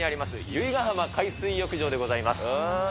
由比ガ浜海水浴場でございます。